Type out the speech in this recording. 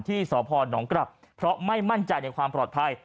ที่สพนกลับเพราะไม่มั่นใจในความปลอดภัย